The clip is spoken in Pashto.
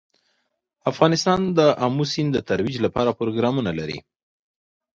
افغانستان د آمو سیند د ترویج لپاره پروګرامونه لري.